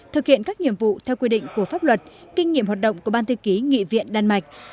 thực hiện các nhiệm vụ theo quy định của pháp luật kinh nghiệm hoạt động của ban thư ký nghị viện đan mạch